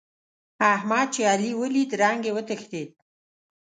احمد چې علي وليد؛ رنګ يې وتښتېد.